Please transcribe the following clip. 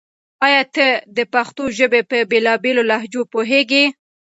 آیا ته د پښتو ژبې په بېلا بېلو لهجو پوهېږې؟